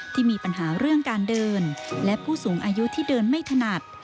ที่มีปัญหาเรื่องการเดินและผู้สูงอายุที่เดินไม่ถนัด